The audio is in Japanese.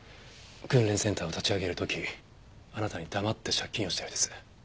訓練センターを立ち上げる時あなたに黙って借金をしたようです。